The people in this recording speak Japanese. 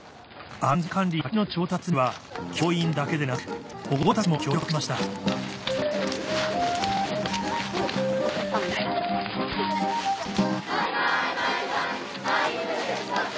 安全管理や焚き木の調達には教員だけでなく保護者たちも協力しました